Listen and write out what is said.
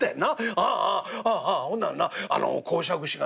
ああああほんならなあの講釈師がな